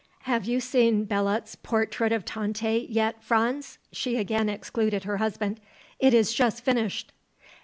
"Have you seen Belot's portrait of Tante, yet, Franz?" she again excluded her husband; "It is just finished."